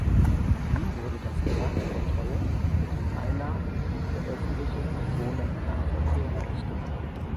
In Wien wurde das Parken verteuert und mit den Einnahmen der Öffentliche Personennahverkehr ausgebaut.